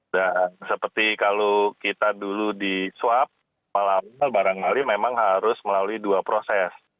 dan seperti kalau kita dulu diswap malah barangkali memang harus melalui dua proses